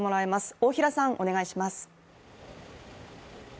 大平さん、お願いします。